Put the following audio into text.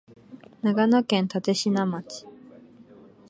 長野県立科町